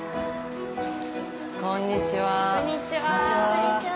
こんにちは。